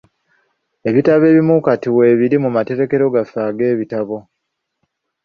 Ebitabo ebimu kati weebiri mu materekero gaffe ag'ebitabo.